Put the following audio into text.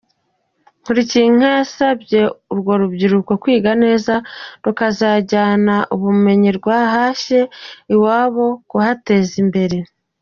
Nkulikiyinka yasabye urwo rubyiruko kwiga neza, rukazajyana ubumenyi rwahashye iwabo kuhateza imbere.